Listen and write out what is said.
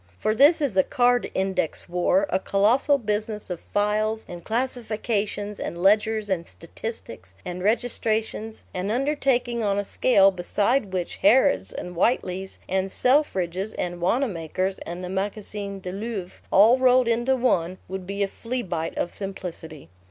For this is a card index war, a colossal business of files and classifications and ledgers and statistics and registrations, an undertaking on a scale beside which Harrod's and Whiteley's and Selfridge's and Wanamaker's and the Magazin du Louvre, all rolled into one, would be a fleabite of simplicity.